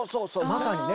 まさにね。